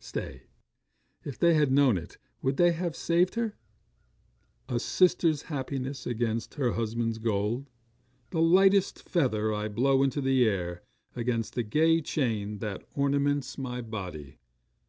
'Stay. If they had known it, would they have saved her? A sister's happiness against her husband's gold. The lightest feather I blow into the air, against the gay chain that ornaments my body!